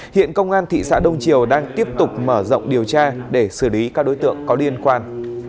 hiện công an thị xã đông triều đang tiếp tục mở rộng điều tra để xử lý các đối tượng có liên quan